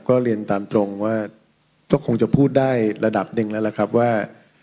ก็เรียนตามตรงว่าก็คงจะพูดได้ระดับหนึ่งแล้วล่ะครับว่า